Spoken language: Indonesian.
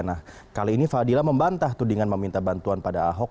nah kali ini fadila membantah tudingan meminta bantuan pada ahok